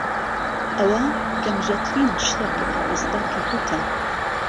ئەوە گەمژەترین شتە کە تا ئێستا کردووتە.